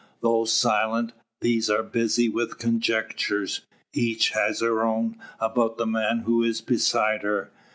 Though silent, these are busy with conjectures. Each has her own about the man who is beside her.